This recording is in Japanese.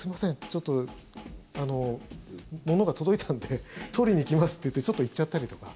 ちょっと物が届いたので取りに行きますと言ってちょっと行っちゃったりとか。